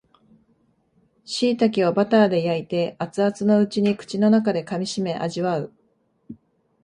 しいたけをバターで焼いて熱々のうちに口の中で噛みしめ味わう